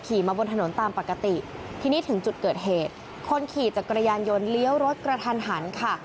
มาบนถนนตามปกติทีนี้ถึงจุดเกิดเหตุคนขี่จักรยานยนต์เลี้ยวรถกระทันหันค่ะ